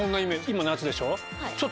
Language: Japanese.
今夏でしょ？